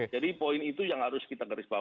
jadi poin itu yang harus kita garis bawahi